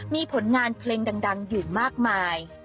มีผลงานเพลงดังอยู่มากมาย